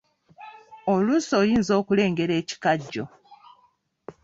Oluusi oyinza okulengera ekikajjo.